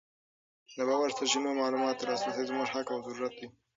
د باوري سرچینو معلوماتو ته لاسرسی زموږ حق او ضرورت دی.